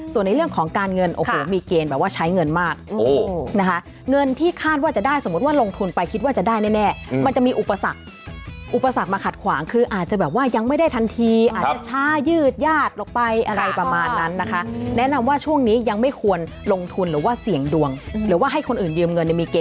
ส่วนในเรื่องของการเงินโอ้โหมีเกณฑ์แบบว่าใช้เงินมากนะคะเงินที่คาดว่าจะได้สมมุติว่าลงทุนไปคิดว่าจะได้แน่มันจะมีอุปสรรคอุปสรรคมาขัดขวางคืออาจจะแบบว่ายังไม่ได้ทันทีอาจจะช้ายืดญาติลงไปอะไรประมาณนั้นนะคะแนะนำว่าช่วงนี้ยังไม่ควรลงทุนหรือว่าเสี่ยงดวงหรือว่าให้คนอื่นยืมเงินในมีเก